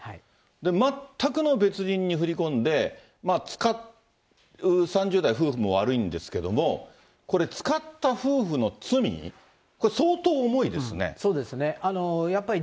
全くの別人に振り込んで、使う３０代夫婦も悪いんですけれども、これ、使った夫婦の罪、そうですね。